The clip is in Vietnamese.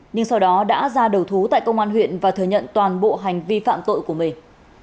nhưng sau đó đã ra đầu thú tại công an huyện và thừa nhận toàn bộ hành vi phạm tội của mình